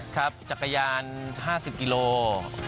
ครับจักรยาน๕๐กิโล